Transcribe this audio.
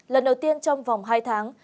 lần đầu tiên trong vòng hai tháng